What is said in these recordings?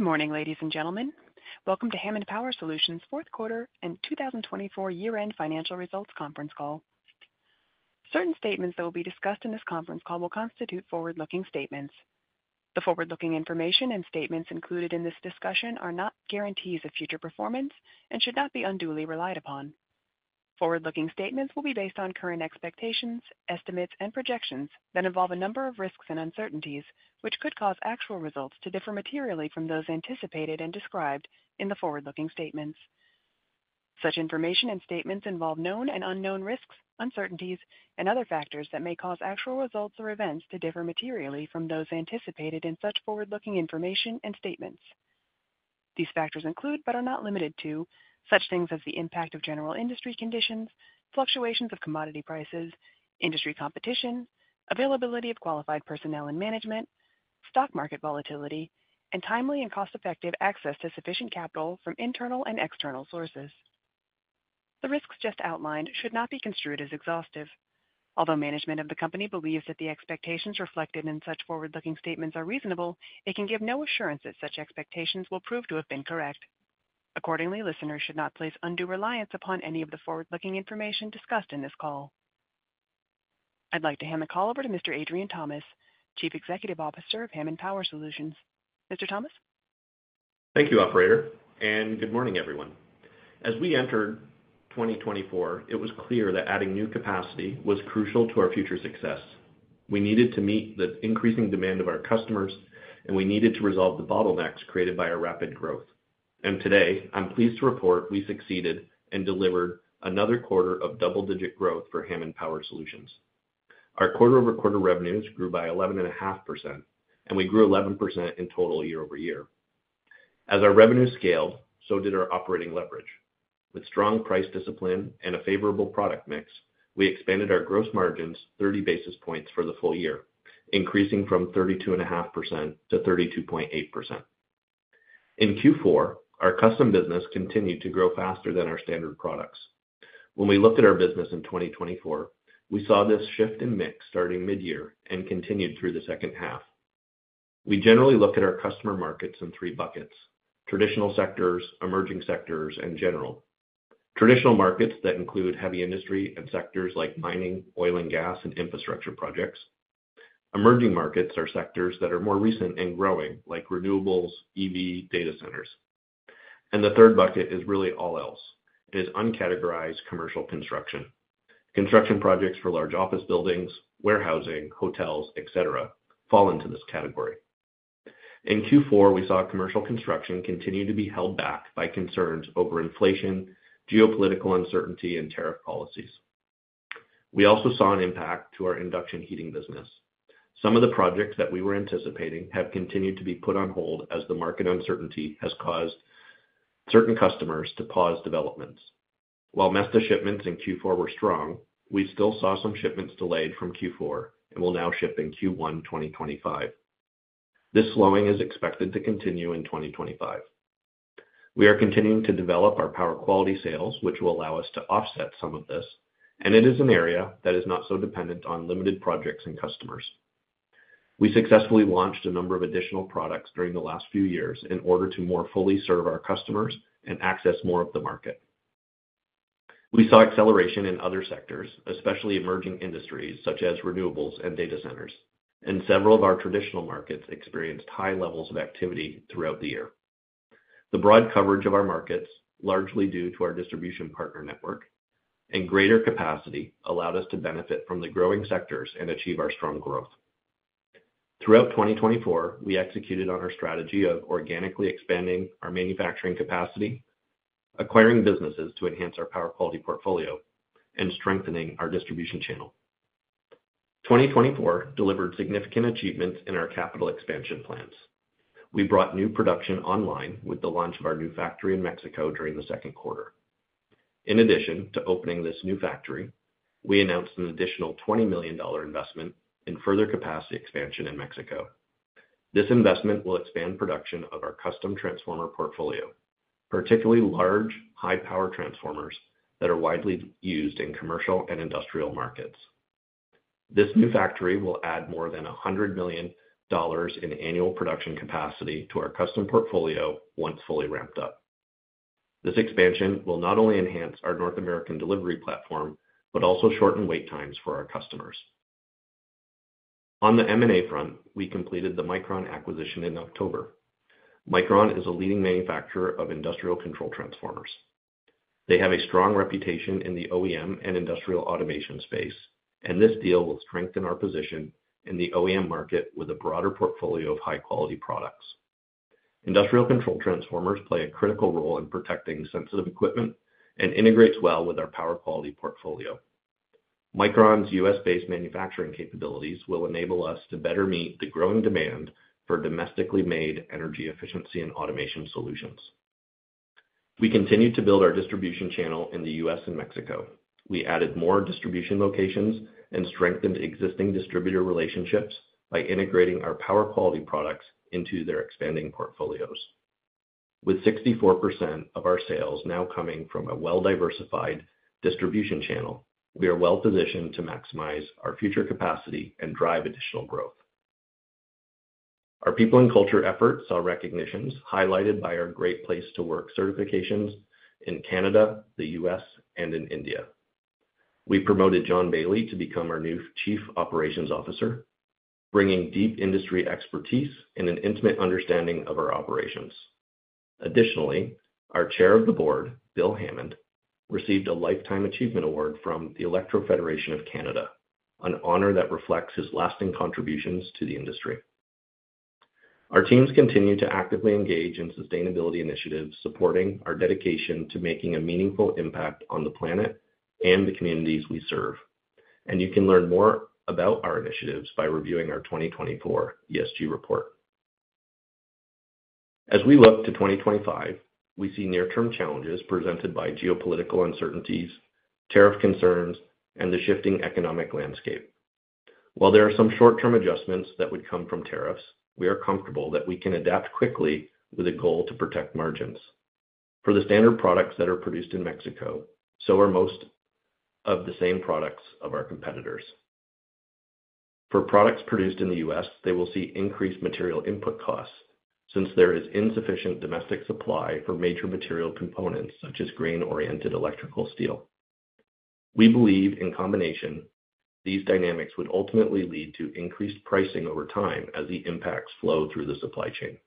Good morning, ladies and gentlemen. Welcome to Hammond Power Solutions' fourth quarter and 2024 year-end financial results conference call. Certain statements that will be discussed in this conference call will constitute forward-looking statements. The forward-looking information and statements included in this discussion are not guarantees of future performance and should not be unduly relied upon. Forward-looking statements will be based on current expectations, estimates, and projections, that involve a number of risks and uncertainties which could cause actual results to differ materially from those anticipated and described in the forward-looking statements. Such information and statements involve known and unknown risks, uncertainties, and other factors that may cause actual results or events to differ materially from those anticipated in such forward-looking information and statements. These factors include, but are not limited to, such things as the impact of general industry conditions, fluctuations of commodity prices, industry competition, availability of qualified personnel and management, stock market volatility, and timely and cost-effective access to sufficient capital from internal and external sources. The risks just outlined should not be construed as exhaustive. Although management of the company believes that the expectations reflected in such forward-looking statements are reasonable, it can give no assurance that such expectations will prove to have been correct. Accordingly, listeners should not place undue reliance upon any of the forward-looking information discussed in this call. I'd like to hand the call over to Mr. Adrian Thomas, Chief Executive Officer of Hammond Power Solutions. Mr. Thomas? Thank you, Operator, and good morning, everyone. As we entered 2024, it was clear that adding new capacity was crucial to our future success. We needed to meet the increasing demand of our customers, and we needed to resolve the bottlenecks created by our rapid growth. Today, I'm pleased to report we succeeded and delivered another quarter of double-digit growth for Hammond Power Solutions. Our quarter-over-quarter revenues grew by 11.5%, and we grew 11% in total year over year. As our revenue scaled, so did our operating leverage. With strong price discipline and a favorable product mix, we expanded our gross margins 30 basis points for the full year, increasing from 32.5% to 32.8%. In Q4, our custom business continued to grow faster than our standard products. When we looked at our business in 2024, we saw this shift in mix starting mid-year and continued through the second half. We generally look at our customer markets in three buckets: traditional sectors, emerging sectors, and general. Traditional markets that include heavy industry and sectors like mining, oil and gas, and infrastructure projects. Emerging markets are sectors that are more recent and growing, like renewables, EV, data centers. The third bucket is really all else. It is uncategorized commercial construction. Construction projects for large office buildings, warehousing, hotels, etc., fall into this category. In Q4, we saw commercial construction continue to be held back by concerns over inflation, geopolitical uncertainty, and tariff policies. We also saw an impact to our induction heating business. Some of the projects that we were anticipating have continued to be put on hold as the market uncertainty has caused certain customers to pause developments. While Mesta shipments in Q4 were strong, we still saw some shipments delayed from Q4 and will now ship in Q1 2025. This slowing is expected to continue in 2025. We are continuing to develop our power quality sales, which will allow us to offset some of this, and it is an area that is not so dependent on limited projects and customers. We successfully launched a number of additional products during the last few years in order to more fully serve our customers and access more of the market. We saw acceleration in other sectors, especially emerging industries such as renewables and data centers, and several of our traditional markets experienced high levels of activity throughout the year. The broad coverage of our markets, largely due to our distribution partner network and greater capacity, allowed us to benefit from the growing sectors and achieve our strong growth. Throughout 2024, we executed on our strategy of organically expanding our manufacturing capacity, acquiring businesses to enhance our power quality portfolio, and strengthening our distribution channel. 2024 delivered significant achievements in our capital expansion plans. We brought new production online with the launch of our new factory in Mexico during the second quarter. In addition to opening this new factory, we announced an additional $20 million investment in further capacity expansion in Mexico. This investment will expand production of our custom transformer portfolio, particularly large, high-power transformers that are widely used in commercial and industrial markets. This new factory will add more than $100 million in annual production capacity to our custom portfolio once fully ramped up. This expansion will not only enhance our North American delivery platform but also shorten wait times for our customers. On the M&A front, we completed the Micron acquisition in October. Micron is a leading manufacturer of industrial control transformers. They have a strong reputation in the OEM and industrial automation space, and this deal will strengthen our position in the OEM market with a broader portfolio of high-quality products. Industrial control transformers play a critical role in protecting sensitive equipment and integrate well with our power quality portfolio. Micron's U.S.-based manufacturing capabilities will enable us to better meet the growing demand for domestically made energy efficiency and automation solutions. We continue to build our distribution channel in the U.S. and Mexico. We added more distribution locations and strengthened existing distributor relationships by integrating our power quality products into their expanding portfolios. With 64% of our sales now coming from a well-diversified distribution channel, we are well-positioned to maximize our future capacity and drive additional growth. Our people and culture efforts saw recognitions highlighted by our Great Place to Work certifications in Canada, the U.S., and in India. We promoted John Bailey to become our new Chief Operations Officer, bringing deep industry expertise and an intimate understanding of our operations. Additionally, our Chair of the Board, Bill Hammond, received a Lifetime Achievement Award from the Electro Federation of Canada, an honor that reflects his lasting contributions to the industry. Our teams continue to actively engage in sustainability initiatives supporting our dedication to making a meaningful impact on the planet and the communities we serve, and you can learn more about our initiatives by reviewing our 2024 ESG report. As we look to 2025, we see near-term challenges presented by geopolitical uncertainties, tariff concerns, and the shifting economic landscape. While there are some short-term adjustments that would come from tariffs, we are comfortable that we can adapt quickly with a goal to protect margins. For the standard products that are produced in Mexico, so are most of the same products of our competitors. For products produced in the U.S., they will see increased material input costs since there is insufficient domestic supply for major material components such as grain-oriented electrical steel. We believe in combination, these dynamics would ultimately lead to increased pricing over time as the impacts flow through the supply chain.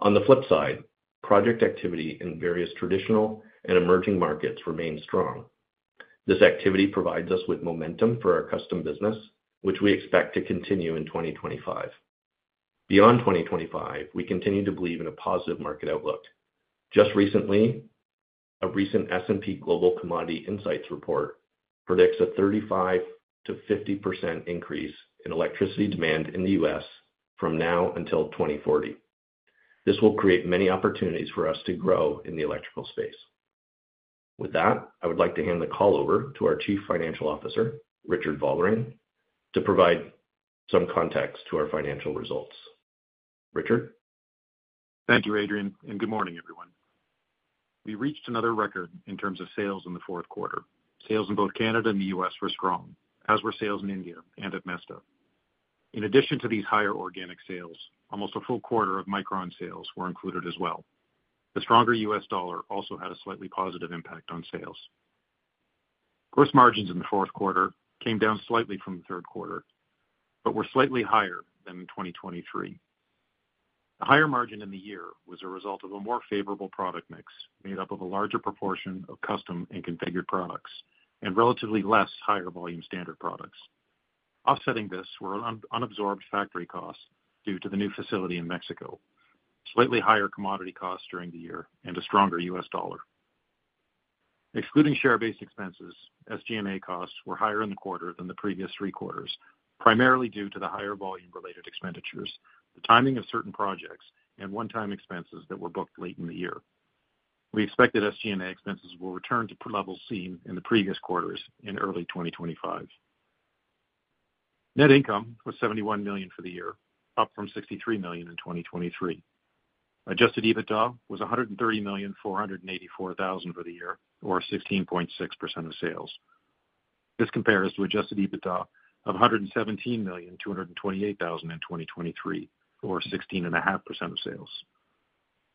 On the flip side, project activity in various traditional and emerging markets remains strong. This activity provides us with momentum for our custom business, which we expect to continue in 2025. Beyond 2025, we continue to believe in a positive market outlook. Just recently, a recent S&P Global Commodity Insights report predicts a 35-50% increase in electricity demand in the U.S. from now until 2040. This will create many opportunities for us to grow in the electrical space. With that, I would like to hand the call over to our Chief Financial Officer, Richard Vollering, to provide some context to our financial results. Richard? Thank you, Adrian, and good morning, everyone. We reached another record in terms of sales in the fourth quarter. Sales in both Canada and the U.S. were strong, as were sales in India and at MESTA. In addition to these higher organic sales, almost a full quarter of Micron sales were included as well. The stronger U.S. dollar also had a slightly positive impact on sales. Gross margins in the fourth quarter came down slightly from the third quarter, but were slightly higher than in 2023. The higher margin in the year was a result of a more favorable product mix made up of a larger proportion of custom and configured products and relatively less higher volume standard products. Offsetting this were unabsorbed factory costs due to the new facility in Mexico, slightly higher commodity costs during the year, and a stronger U.S. dollar. Excluding share-based expenses, SG&A costs were higher in the quarter than the previous three quarters, primarily due to the higher volume-related expenditures, the timing of certain projects, and one-time expenses that were booked late in the year. We expected SG&A expenses will return to levels seen in the previous quarters in early 2025. Net income was $71 million for the year, up from $63 million in 2023. Adjusted EBITDA was $130,484,000 for the year, or 16.6% of sales. This compares to adjusted EBITDA of $117,228,000 in 2023, or 16.5% of sales.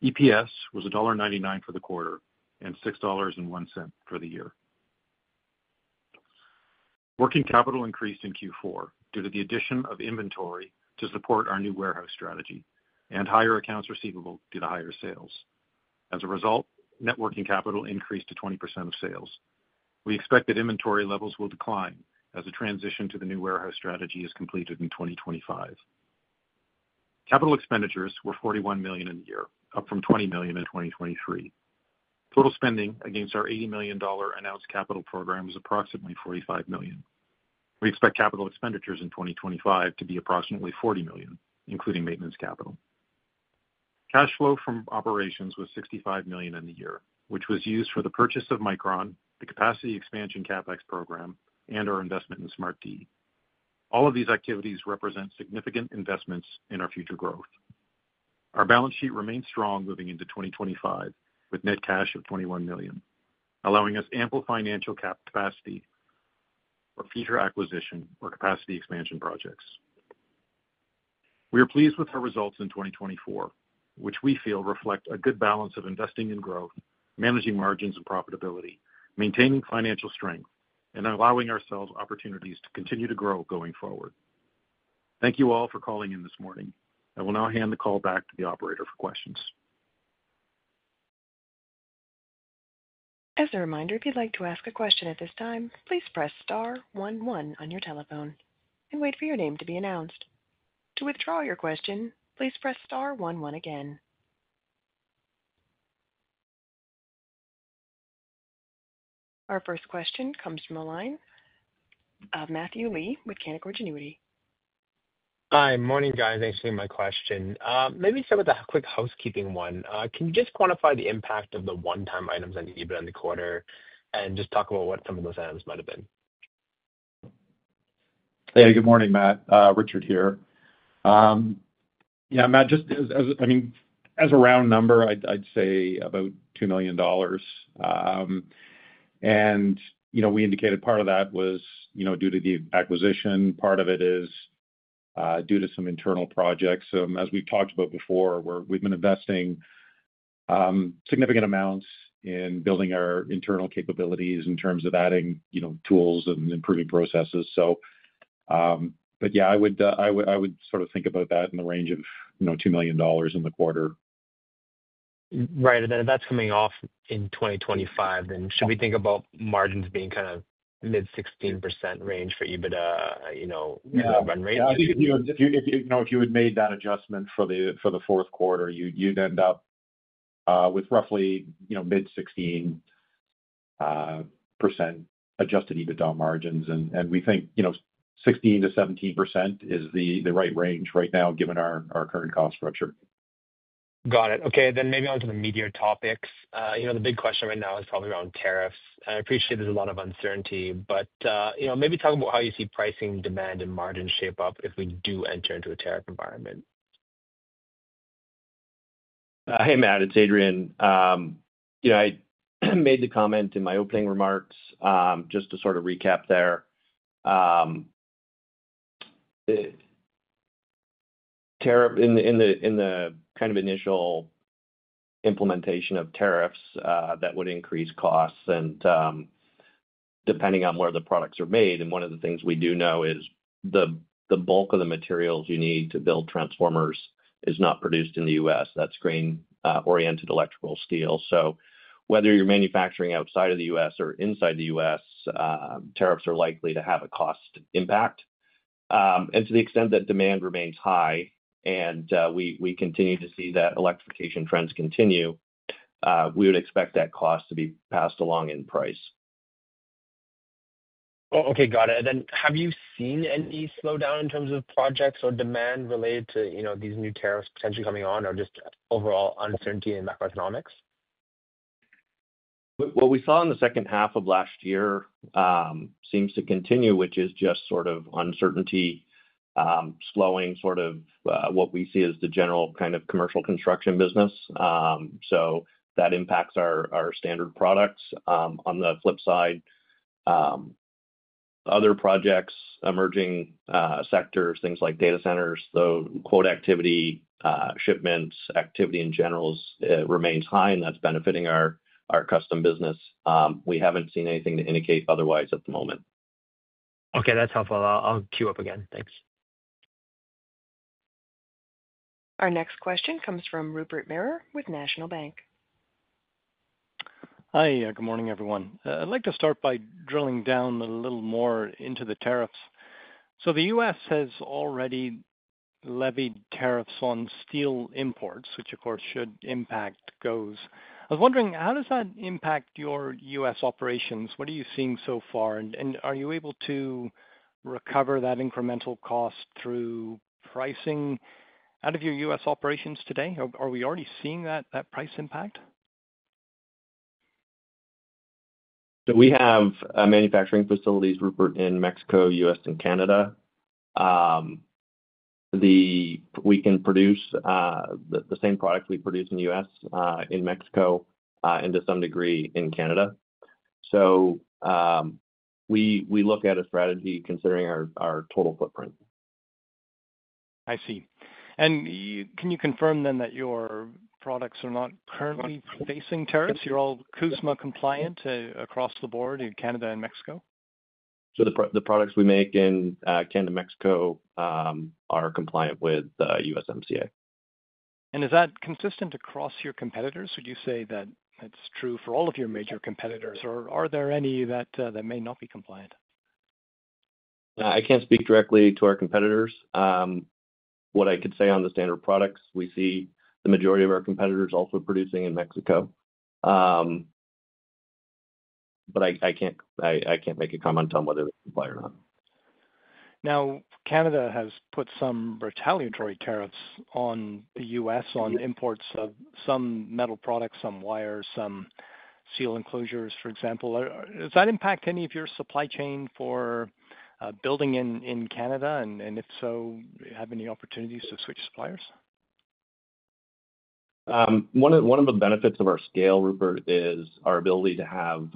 EPS was $1.99 for the quarter and $6.01 for the year. Working capital increased in Q4 due to the addition of inventory to support our new warehouse strategy and higher accounts receivable due to higher sales. As a result, net working capital increased to 20% of sales. We expect that inventory levels will decline as the transition to the new warehouse strategy is completed in 2025. Capital expenditures were $41 million in the year, up from $20 million in 2023. Total spending against our $80 million announced capital program was approximately $45 million. We expect capital expenditures in 2025 to be approximately $40 million, including maintenance capital. Cash flow from operations was $65 million in the year, which was used for the purchase of Micron, the capacity expansion CapEx program, and our investment in SmartD. All of these activities represent significant investments in our future growth. Our balance sheet remains strong moving into 2025 with net cash of $21 million, allowing us ample financial capacity for future acquisition or capacity expansion projects. We are pleased with our results in 2024, which we feel reflect a good balance of investing in growth, managing margins and profitability, maintaining financial strength, and allowing ourselves opportunities to continue to grow going forward. Thank you all for calling in this morning. I will now hand the call back to the Operator for questions. As a reminder, if you'd like to ask a question at this time, please press star 11 on your telephone and wait for your name to be announced. To withdraw your question, please press star 11 again. Our first question comes from a line of Matthew James Lee with Canaccord Genuity. Hi, morning, guys. Thanks for taking my question. Maybe start with a quick housekeeping one. Can you just quantify the impact of the one-time items on EBITDA in the quarter and just talk about what some of those items might have been? Hey, good morning, Matt. Richard here. Yeah, Matt, just as a round number, I'd say about $2 million. We indicated part of that was due to the acquisition. Part of it is due to some internal projects. As we've talked about before, we've been investing significant amounts in building our internal capabilities in terms of adding tools and improving processes. Yeah, I would sort of think about that in the range of $2 million in the quarter. Right. If that is coming off in 2025, should we think about margins being kind of mid-16% range for EBITDA run rate? Yeah. If you had made that adjustment for the fourth quarter, you'd end up with roughly mid-16% adjusted EBITDA margins. We think 16-17% is the right range right now given our current cost structure. Got it. Okay. Maybe onto the media topics. The big question right now is probably around tariffs. I appreciate there's a lot of uncertainty, but maybe talk about how you see pricing, demand, and margins shape up if we do enter into a tariff environment. Hey, Matt, it's Adrian. I made the comment in my opening remarks just to sort of recap there. In the kind of initial implementation of tariffs, that would increase costs depending on where the products are made. One of the things we do know is the bulk of the materials you need to build transformers is not produced in the U.S. That is grain-oriented electrical steel. Whether you're manufacturing outside of the U.S. or inside the U.S., tariffs are likely to have a cost impact. To the extent that demand remains high and we continue to see that electrification trends continue, we would expect that cost to be passed along in price. Okay. Got it. Have you seen any slowdown in terms of projects or demand related to these new tariffs potentially coming on or just overall uncertainty in macroeconomics? What we saw in the second half of last year seems to continue, which is just sort of uncertainty slowing sort of what we see as the general kind of commercial construction business. That impacts our standard products. On the flip side, other projects, emerging sectors, things like data centers, the quote activity, shipment activity in general remains high, and that's benefiting our custom business. We haven't seen anything to indicate otherwise at the moment. Okay. That's helpful. I'll queue up again. Thanks. Our next question comes from Rupert Merer with National Bank. Hi. Good morning, everyone. I'd like to start by drilling down a little more into the tariffs. The U.S. has already levied tariffs on steel imports, which, of course, should impact those. I was wondering, how does that impact your U.S. operations? What are you seeing so far? Are you able to recover that incremental cost through pricing out of your U.S. operations today? Are we already seeing that price impact? We have manufacturing facilities, Rupert, in Mexico, the U.S., and Canada. We can produce the same product we produce in the U.S. in Mexico and to some degree in Canada. We look at a strategy considering our total footprint. I see. Can you confirm then that your products are not currently facing tariffs? You're all CUSMA compliant across the board in Canada and Mexico? The products we make in Canada and Mexico are compliant with USMCA. Is that consistent across your competitors? Would you say that that's true for all of your major competitors, or are there any that may not be compliant? I can't speak directly to our competitors. What I could say on the standard products, we see the majority of our competitors also producing in Mexico. I can't make a comment on whether they comply or not. Now, Canada has put some retaliatory tariffs on the U.S. on imports of some metal products, some wires, some steel enclosures, for example. Does that impact any of your supply chain for building in Canada? If so, have any opportunities to switch suppliers? One of the benefits of our scale, Rupert, is our ability to have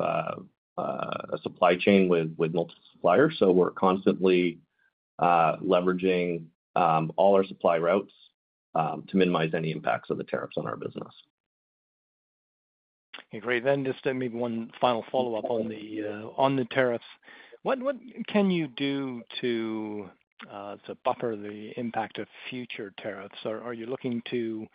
a supply chain with multiple suppliers. We are constantly leveraging all our supply routes to minimize any impacts of the tariffs on our business. Okay. Great. Then just maybe one final follow-up on the tariffs. What can you do to buffer the impact of future tariffs? Are you looking to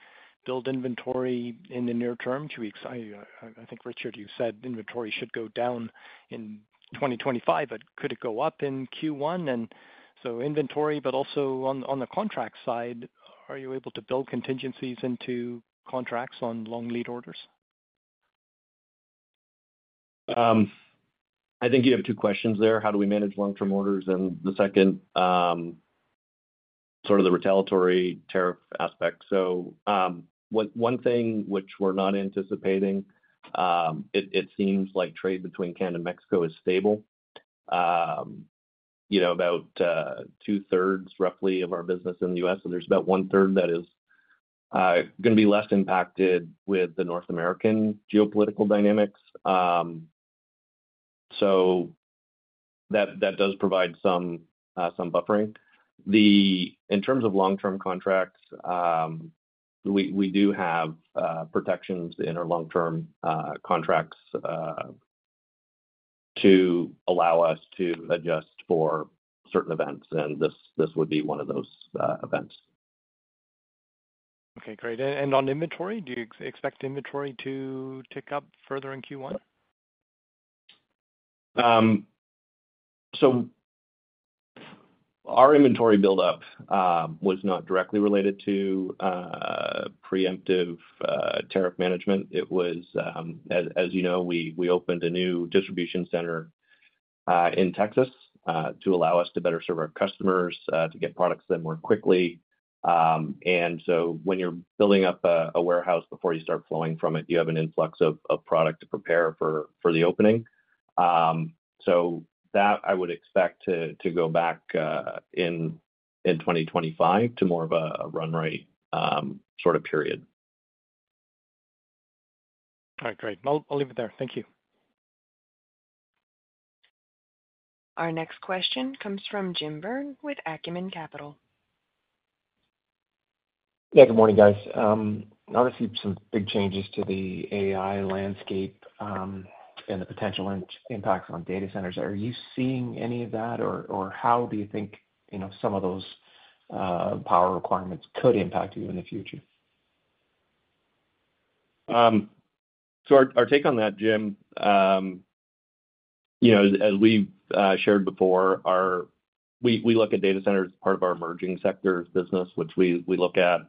build inventory in the near term? I think, Richard, you said inventory should go down in 2025, but could it go up in Q1? And so inventory, but also on the contract side, are you able to build contingencies into contracts on long lead orders? I think you have two questions there. How do we manage long-term orders? The second, sort of the retaliatory tariff aspect. One thing which we're not anticipating, it seems like trade between Canada and Mexico is stable, about two-thirds roughly of our business in the U.S. There's about one-third that is going to be less impacted with the North American geopolitical dynamics. That does provide some buffering. In terms of long-term contracts, we do have protections in our long-term contracts to allow us to adjust for certain events. This would be one of those events. Okay. Great. On inventory, do you expect inventory to tick up further in Q1? Our inventory build-up was not directly related to preemptive tariff management. As you know, we opened a new distribution center in Texas to allow us to better serve our customers, to get products in more quickly. When you're building up a warehouse before you start flowing from it, you have an influx of product to prepare for the opening. That I would expect to go back in 2025 to more of a run rate sort of period. All right. Great. I'll leave it there. Thank you. Our next question comes from Jim Byrne with Acumen Capital. Yeah. Good morning, guys. Obviously, some big changes to the AI landscape and the potential impacts on data centers. Are you seeing any of that, or how do you think some of those power requirements could impact you in the future? Our take on that, Jim, as we've shared before, we look at data centers as part of our emerging sectors business, which we look at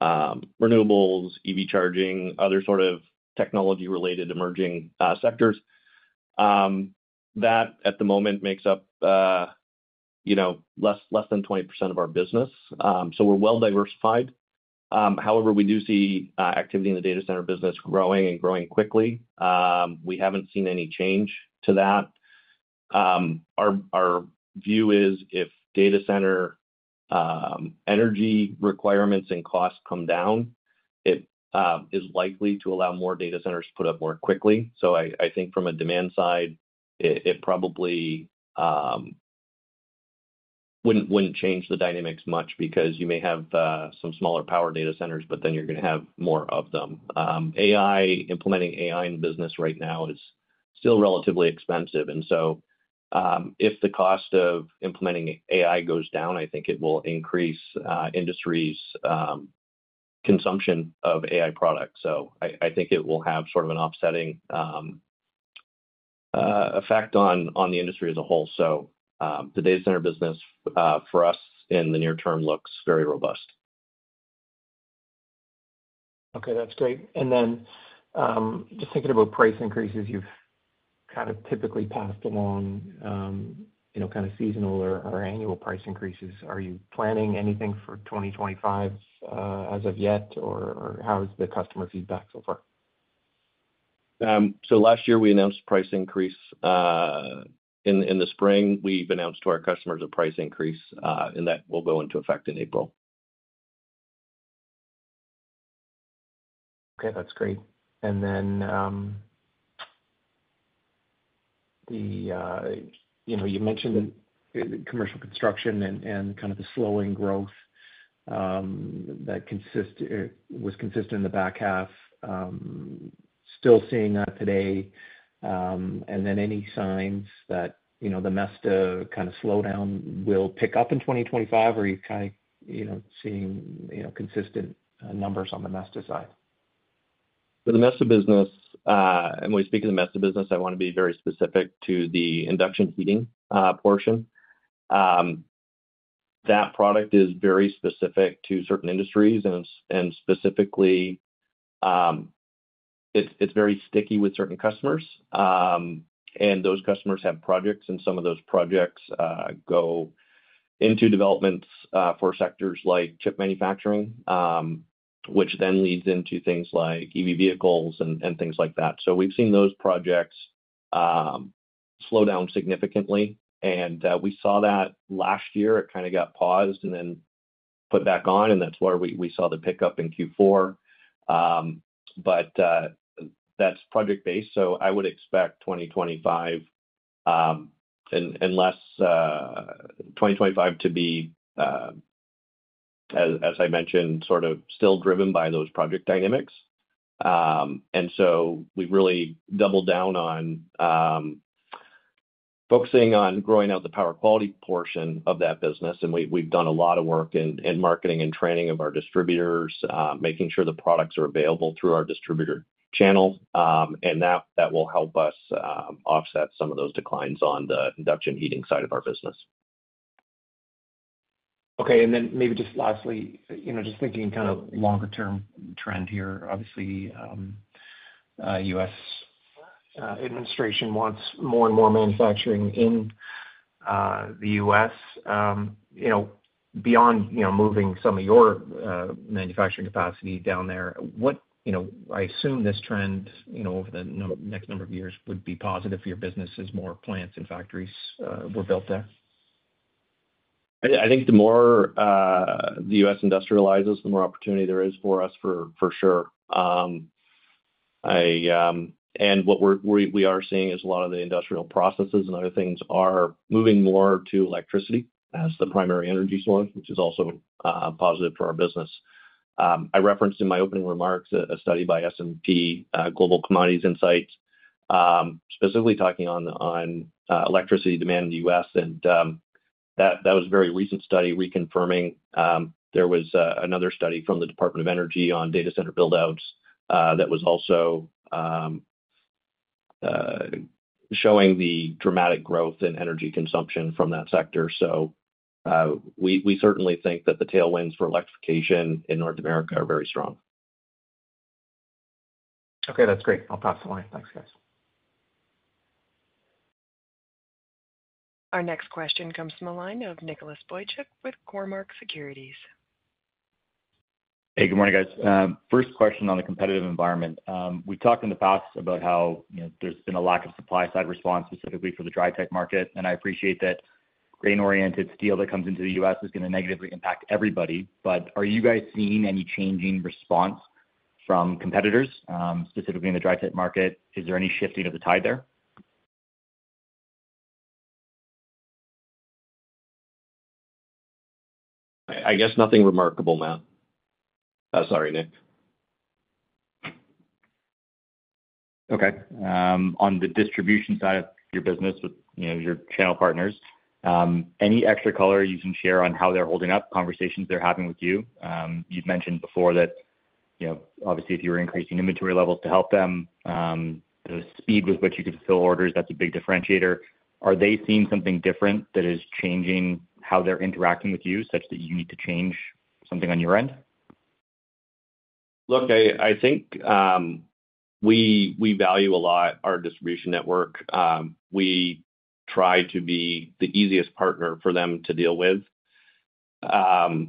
renewables, EV charging, other sort of technology-related emerging sectors. That, at the moment, makes up less than 20% of our business. We're well-diversified. However, we do see activity in the data center business growing and growing quickly. We haven't seen any change to that. Our view is if data center energy requirements and costs come down, it is likely to allow more data centers to put up more quickly. I think from a demand side, it probably wouldn't change the dynamics much because you may have some smaller power data centers, but then you're going to have more of them. Implementing AI in business right now is still relatively expensive. If the cost of implementing AI goes down, I think it will increase industry's consumption of AI products. I think it will have sort of an offsetting effect on the industry as a whole. The data center business for us in the near term looks very robust. Okay. That's great. Just thinking about price increases, you've kind of typically passed along kind of seasonal or annual price increases. Are you planning anything for 2025 as of yet, or how is the customer feedback so far? Last year, we announced a price increase. In the spring, we've announced to our customers a price increase, and that will go into effect in April. Okay. That's great. You mentioned commercial construction and kind of the slowing growth that was consistent in the back half, still seeing that today. Any signs that the MESTA kind of slowdown will pick up in 2025, or are you kind of seeing consistent numbers on the MESTA side? For the MESTA business, and when we speak of the MESTA business, I want to be very specific to the induction heating portion. That product is very specific to certain industries. And specifically, it is very sticky with certain customers. Those customers have projects, and some of those projects go into developments for sectors like chip manufacturing, which then leads into things like EV vehicles and things like that. We have seen those projects slow down significantly. We saw that last year. It kind of got paused and then put back on. That is where we saw the pickup in Q4. That is project-based. I would expect 2025 to be, as I mentioned, sort of still driven by those project dynamics. We have really doubled down on focusing on growing out the power quality portion of that business. We have done a lot of work in marketing and training of our distributors, making sure the products are available through our distributor channel. That will help us offset some of those declines on the induction heating side of our business. Okay. Then maybe just lastly, just thinking kind of longer-term trend here, obviously, the U.S. administration wants more and more manufacturing in the U.S. Beyond moving some of your manufacturing capacity down there, I assume this trend over the next number of years would be positive for your business as more plants and factories were built there. I think the more the U.S. industrializes, the more opportunity there is for us, for sure. What we are seeing is a lot of the industrial processes and other things are moving more to electricity as the primary energy source, which is also positive for our business. I referenced in my opening remarks a study by S&P Global Commodity Insights, specifically talking on electricity demand in the U.S. That was a very recent study reconfirming. There was another study from the Department of Energy on data center build-outs that was also showing the dramatic growth in energy consumption from that sector. We certainly think that the tailwinds for electrification in North America are very strong. Okay. That's great. I'll pass the line. Thanks, guys. Our next question comes from a line of Nicholas Boychuk with Cormark Securities. Hey, good morning, guys. First question on the competitive environment. We've talked in the past about how there's been a lack of supply-side response specifically for the dry-type market. I appreciate that grain-oriented steel that comes into the U.S. is going to negatively impact everybody. Are you guys seeing any changing response from competitors, specifically in the dry-type market? Is there any shifting of the tide there? I guess nothing remarkable, Matt. Sorry, Nick. Okay. On the distribution side of your business with your channel partners, any extra color you can share on how they're holding up, conversations they're having with you? You've mentioned before that, obviously, if you were increasing inventory levels to help them, the speed with which you could fulfill orders, that's a big differentiator. Are they seeing something different that is changing how they're interacting with you such that you need to change something on your end? Look, I think we value a lot our distribution network. We try to be the easiest partner for them to deal with.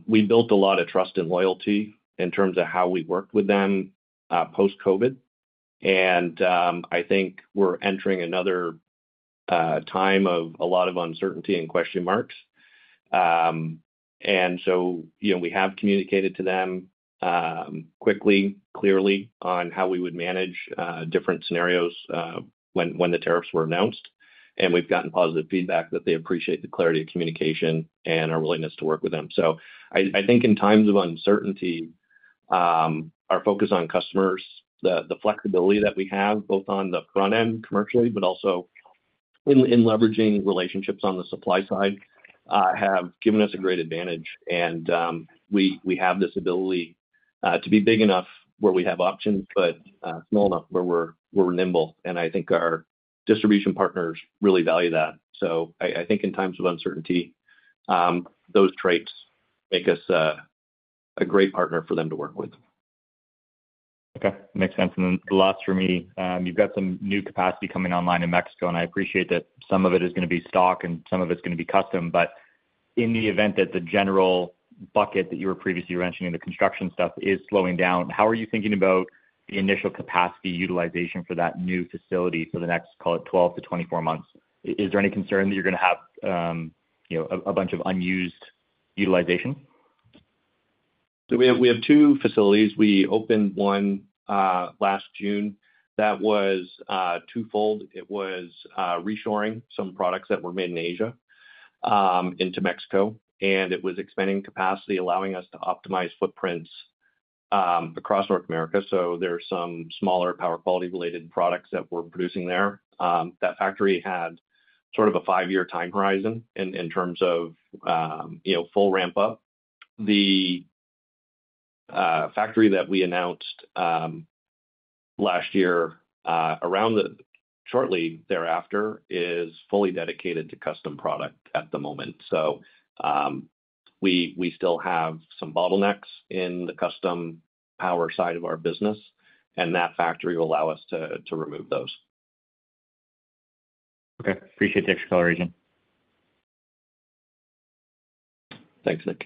We built a lot of trust and loyalty in terms of how we worked with them post-COVID. I think we're entering another time of a lot of uncertainty and question marks. We have communicated to them quickly, clearly, on how we would manage different scenarios when the tariffs were announced. We've gotten positive feedback that they appreciate the clarity of communication and our willingness to work with them. I think in times of uncertainty, our focus on customers, the flexibility that we have both on the front end commercially, but also in leveraging relationships on the supply side, have given us a great advantage. We have this ability to be big enough where we have options, but small enough where we're nimble. I think our distribution partners really value that. I think in times of uncertainty, those traits make us a great partner for them to work with. Okay. Makes sense. The last for me, you've got some new capacity coming online in Mexico. I appreciate that some of it is going to be stock and some of it's going to be custom. In the event that the general bucket that you were previously mentioning, the construction stuff, is slowing down, how are you thinking about the initial capacity utilization for that new facility for the next, call it, 12 to 24 months? Is there any concern that you're going to have a bunch of unused utilization? We have two facilities. We opened one last June. That was twofold. It was reshoring some products that were made in Asia into Mexico. It was expanding capacity, allowing us to optimize footprints across North America. There are some smaller power quality-related products that we're producing there. That factory had sort of a five-year time horizon in terms of full ramp-up. The factory that we announced last year, shortly thereafter, is fully dedicated to custom product at the moment. We still have some bottlenecks in the custom power side of our business. That factory will allow us to remove those. Okay. Appreciate the extra color, Adrian. Thanks, Nick.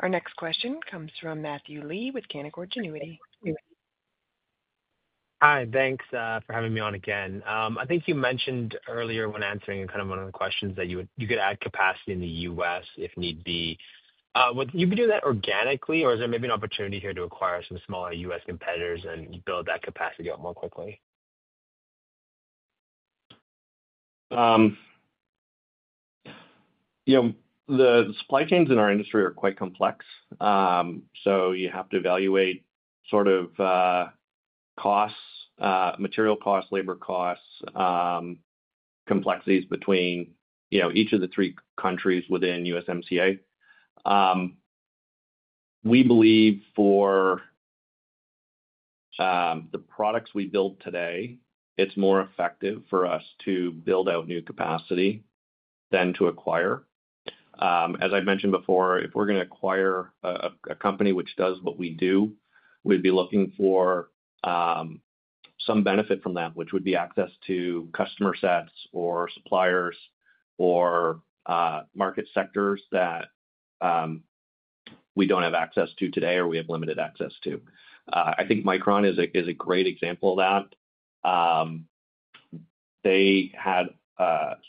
Our next question comes from Matthew Lee with Canaccord Genuity. Hi. Thanks for having me on again. I think you mentioned earlier when answering kind of one of the questions that you could add capacity in the U.S. if need be. Would you be doing that organically, or is there maybe an opportunity here to acquire some smaller U.S. competitors and build that capacity up more quickly? The supply chains in our industry are quite complex. You have to evaluate sort of costs, material costs, labor costs, complexities between each of the three countries within USMCA. We believe for the products we build today, it is more effective for us to build out new capacity than to acquire. As I mentioned before, if we are going to acquire a company which does what we do, we would be looking for some benefit from that, which would be access to customer sets or suppliers or market sectors that we do not have access to today or we have limited access to. I think Micron is a great example of that. They had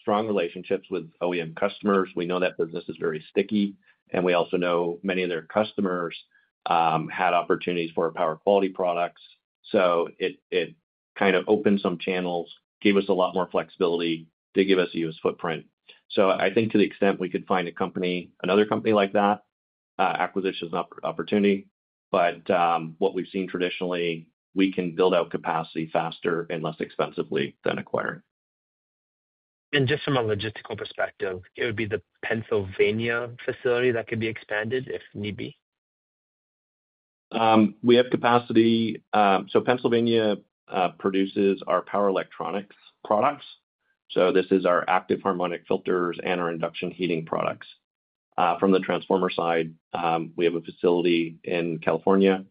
strong relationships with OEM customers. We know that business is very sticky. We also know many of their customers had opportunities for power quality products. It kind of opened some channels, gave us a lot more flexibility to give us a U.S. footprint. I think to the extent we could find another company like that, acquisition is an opportunity. What we've seen traditionally, we can build out capacity faster and less expensively than acquiring. Just from a logistical perspective, it would be the Pennsylvania facility that could be expanded if need be? We have capacity. Pennsylvania produces our power electronics products. This is our active harmonic filters and our induction heating products. From the transformer side, we have a facility in California.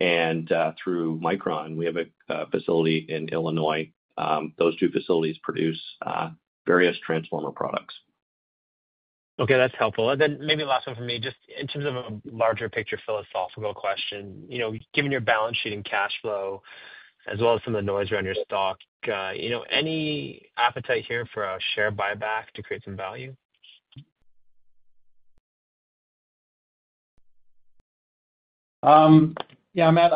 Through Micron, we have a facility in Illinois. Those two facilities produce various transformer products. Okay. That's helpful. Maybe last one for me, just in terms of a larger picture, philosophical question. Given your balance sheet and cash flow, as well as some of the noise around your stock, any appetite here for a share buyback to create some value? Yeah, Matt.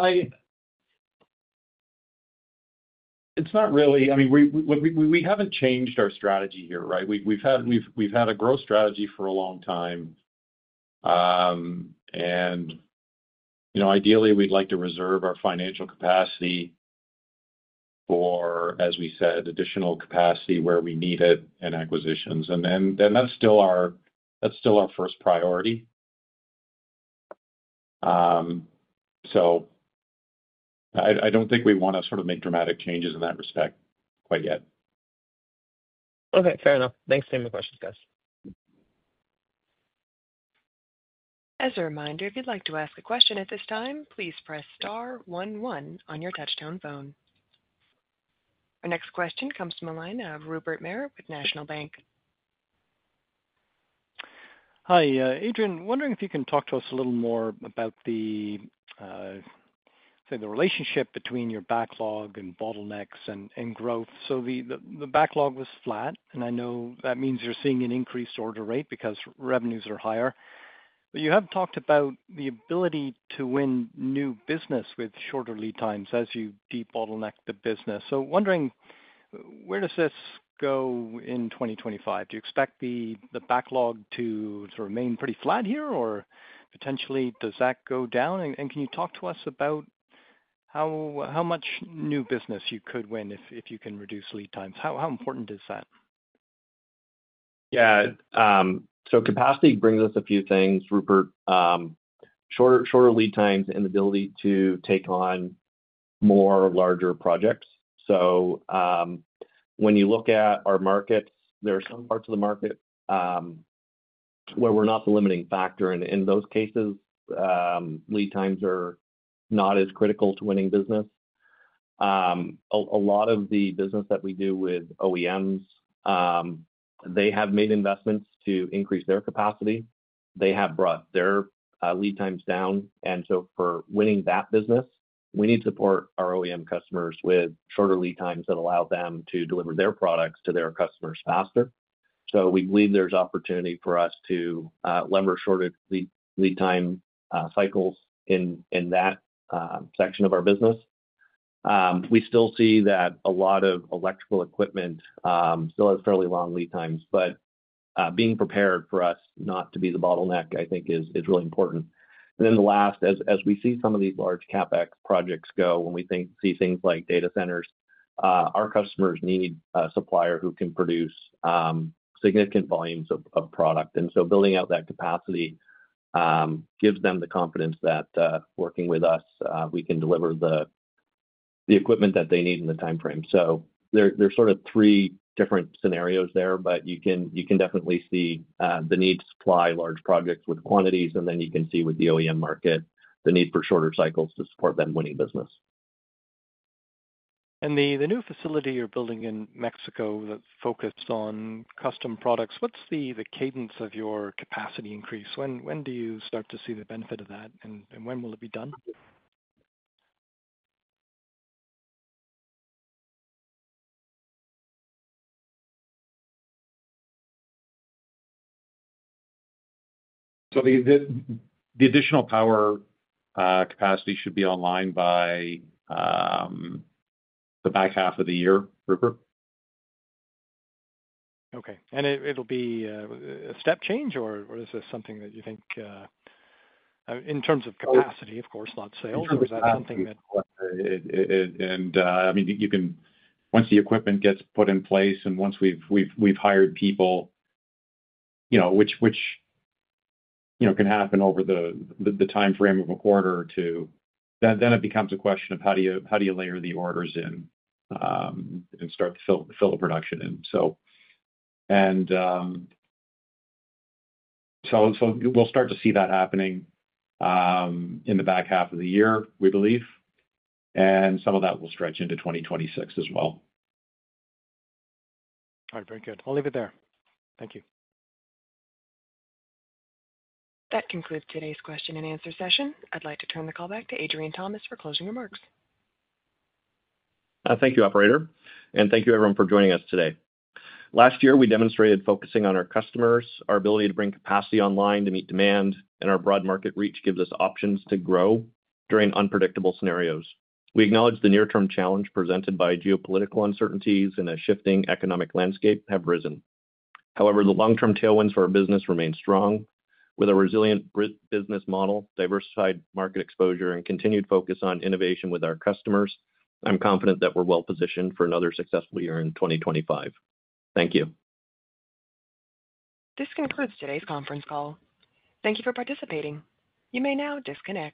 It's not really, I mean, we haven't changed our strategy here, right? We've had a growth strategy for a long time. Ideally, we'd like to reserve our financial capacity for, as we said, additional capacity where we need it and acquisitions. That is still our first priority. I don't think we want to sort of make dramatic changes in that respect quite yet. Okay. Fair enough. Thanks for taking my questions, guys. As a reminder, if you'd like to ask a question at this time, please press star 1-1 on your touch-tone phone. Our next question comes from a line of Rupert Merer with National Bank. Hi, Adrian. Wondering if you can talk to us a little more about the relationship between your backlog and bottlenecks and growth. The backlog was flat. I know that means you're seeing an increased order rate because revenues are higher. You have talked about the ability to win new business with shorter lead times as you de-bottleneck the business. Wondering, where does this go in 2025? Do you expect the backlog to remain pretty flat here, or potentially does that go down? Can you talk to us about how much new business you could win if you can reduce lead times? How important is that? Yeah. Capacity brings us a few things, Rupert. Shorter lead times and the ability to take on more larger projects. When you look at our markets, there are some parts of the market where we're not the limiting factor. In those cases, lead times are not as critical to winning business. A lot of the business that we do with OEMs, they have made investments to increase their capacity. They have brought their lead times down. For winning that business, we need to support our OEM customers with shorter lead times that allow them to deliver their products to their customers faster. We believe there's opportunity for us to leverage shorter lead time cycles in that section of our business. We still see that a lot of electrical equipment still has fairly long lead times. Being prepared for us not to be the bottleneck, I think, is really important. The last, as we see some of these large CapEx projects go, when we see things like data centers, our customers need a supplier who can produce significant volumes of product. Building out that capacity gives them the confidence that working with us, we can deliver the equipment that they need in the timeframe. There are sort of three different scenarios there. You can definitely see the need to supply large projects with quantities. You can see with the OEM market, the need for shorter cycles to support them winning business. The new facility you are building in Mexico that is focused on custom products, what is the cadence of your capacity increase? When do you start to see the benefit of that? When will it be done? The additional power capacity should be online by the back half of the year, Rupert. Okay. It'll be a step change, or is this something that you think in terms of capacity, of course, not sales, or is that something that? I mean, once the equipment gets put in place and once we've hired people, which can happen over the timeframe of a quarter or two, then it becomes a question of how do you layer the orders in and start to fill the production in. We will start to see that happening in the back half of the year, we believe. Some of that will stretch into 2026 as well. All right. Very good. I'll leave it there. Thank you. That concludes today's question and answer session. I'd like to turn the call back to Adrian Thomas for closing remarks. Thank you, Operator. Thank you, everyone, for joining us today. Last year, we demonstrated focusing on our customers, our ability to bring capacity online to meet demand, and our broad market reach gives us options to grow during unpredictable scenarios. We acknowledge the near-term challenge presented by geopolitical uncertainties and a shifting economic landscape have risen. However, the long-term tailwinds for our business remain strong. With a resilient business model, diversified market exposure, and continued focus on innovation with our customers, I'm confident that we're well-positioned for another successful year in 2025. Thank you. This concludes today's conference call. Thank you for participating. You may now disconnect.